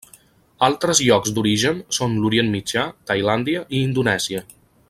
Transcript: Altres llocs d'origen són l'Orient Mitjà, Tailàndia i Indonèsia.